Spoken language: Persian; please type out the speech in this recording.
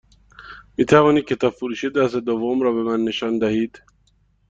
می توانید کتاب فروشی دست دوم رو به من نشان دهید؟